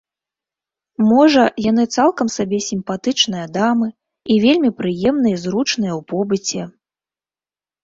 Можа, яны цалкам сабе сімпатычныя дамы і вельмі прыемныя і зручныя ў побыце.